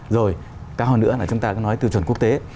rồi cao hơn nữa là chúng ta cứ nói tiêu chuẩn quốc tế